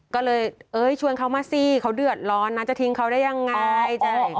ก็เลยเอ้ยชวนเขามาสิเขาเดือดร้อนนะจะทิ้งเขาได้ยังไง